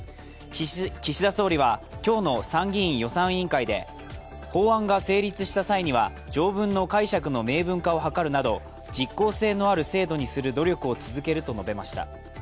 岸田総理は今日の参議院予算委員会で法案が成立した際には条文の解釈の明文化を図るなど実効性のある制度にする努力を続けると述べました。